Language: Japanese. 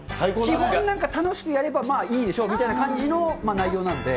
基本、なんか楽しくやればまあいいでしょうみたいな感じの内容なので。